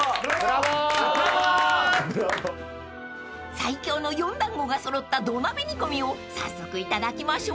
［最強の４団子が揃った土鍋煮込みを早速いただきましょう］